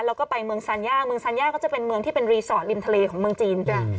แล้วก็ไปเมืองซานย่าเมืองซานย่าก็จะเป็นเมืองที่เป็นรีสอร์ทริมทะเลของเมืองจีนด้วย